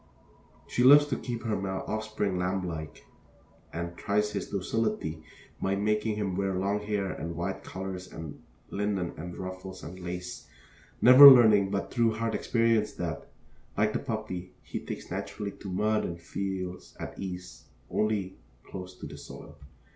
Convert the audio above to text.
She loves to keep her male offspring lamblike, and tries his docility by making him wear long hair and wide collars and linen and ruffles and lace, never learning but through hard experience that, like the puppy, he takes naturally to mud and feels at ease only close to the soil.